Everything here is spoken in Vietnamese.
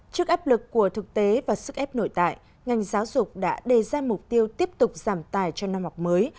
trước áp lực của thực tế và sức ép nội tại ngành giáo dục đã đề ra mục tiêu tiếp tục giảm tài cho năm học mới